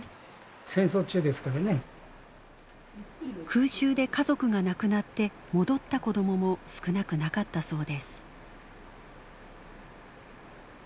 空襲で家族が亡くなって戻った子どもも少なくなかったそうです。